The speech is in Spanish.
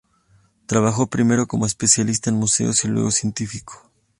Trabajó primero como especialista en museos, y luego científico.